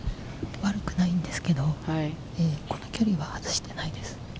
悪くないんですけれど、この距離は外していないです。